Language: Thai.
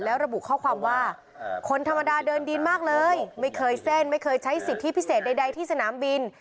แล้วระบุข้อความว่าคนธรรมดาเดินดินมากเลยไม่เคยเส้นไม่เคยใช้สิทธิพิเศษใดที่สนามบิน